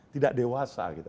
tidak dewasa kita